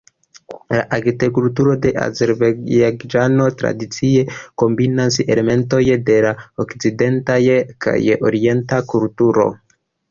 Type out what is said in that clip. La arkitekturo de Azerbajĝano tradicie kombinas elementojn de la okcidenta kaj orienta kulturoj.